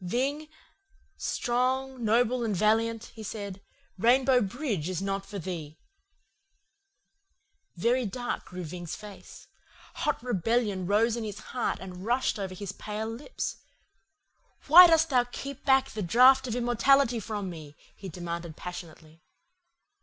"'Ving, strong, noble, and valiant,' he said, 'Rainbow Bridge is not for thee.' "Very dark grew Ving's face. Hot rebellion rose in his heart and rushed over his pale lips. "'Why dost thou keep back the draught of immortality from me?' he demanded passionately.